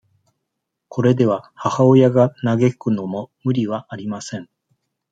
これでは、母親が嘆くのも、無理はありません。